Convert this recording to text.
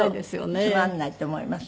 つまらないと思います。